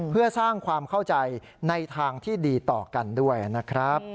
เพื่อสร้างความเข้าใจในทางที่ดีต่อกันด้วยนะครับ